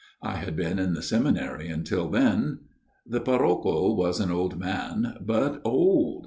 I had been in the seminary until then. " The parrocho was an old man, but old